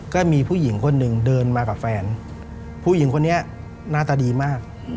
ก็มีผู้หญิงคนหนึ่งเดินมากับแฟนผู้หญิงคนนี้หน้าตาดีมาก